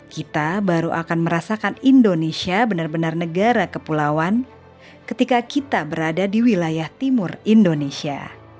kita baru akan merasakan indonesia benar benar negara kepulauan ketika kita berada di wilayah timur indonesia